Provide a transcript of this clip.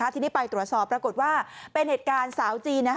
ทีนี้ไปตรวจสอบปรากฏว่าเป็นเหตุการณ์สาวจีน